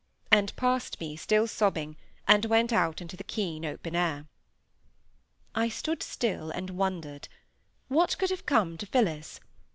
and passed me, still sobbing, and went out into the keen, open air. I stood still and wondered. What could have come to Phillis?